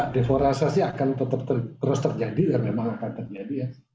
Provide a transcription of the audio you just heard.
deforestasi akan terus terjadi memang akan terjadi